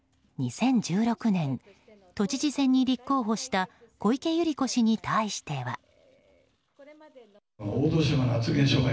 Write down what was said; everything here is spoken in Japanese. ２０１６年都知事選に立候補した小池百合子氏に対しては。